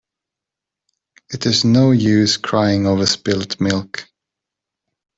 It is no use crying over spilt milk.